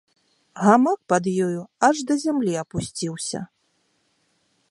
Гамак пад ёю аж да зямлі апусціўся.